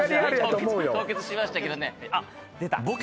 凍結しましたけどね。